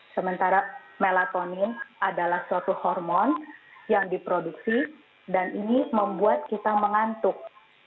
sementara melatonin adalah suatu hormon yang diproduksi dan ini membuat kita mengantuk